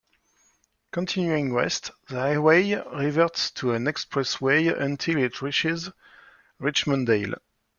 Continuing west, the highway reverts to an expressway until it reaches Richmond Dale.